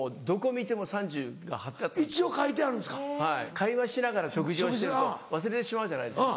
会話しながら食事をしてると忘れてしまうじゃないですか。